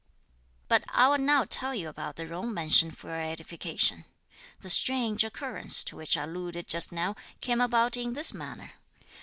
But I'll now tell you about the Jung mansion for your edification. The strange occurrence, to which I alluded just now, came about in this manner.